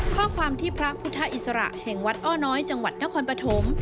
ข้อความที่พระพุทธอิสระแห่งวัดอ้อน้อยจังหวัดนครปฐม